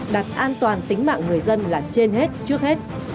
đặt an toàn tính mạng người dân là trên hết trước hết